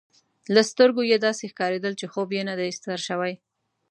له سترګو يې داسي ښکارېدل، چي خوب یې نه دی سر شوی.